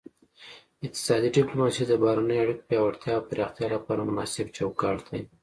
اقتصادي ډیپلوماسي د بهرنیو اړیکو پیاوړتیا او پراختیا لپاره مناسب چوکاټ دی